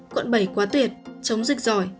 quận bảy quá tuyệt chống dịch giỏi